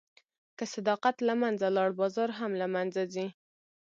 که صداقت له منځه لاړ، بازار هم له منځه ځي.